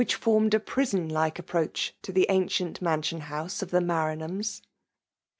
formed a pnson likc ajiproacn to the aneient mansioh liottse of the Maranhams.